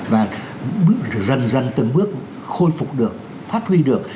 và dần dần từng bước khôi phục được phát huy được